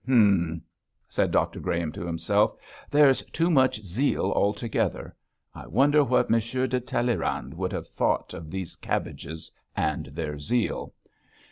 Hum!' said Dr Graham to himself, 'there's too much zeal altogether. I wonder what M. de Talleyrand would have thought of these cabbages and their zeal.